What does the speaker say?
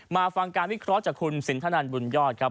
มาฟังการวิเคราะห์จากคุณสินทนันบุญยอดครับ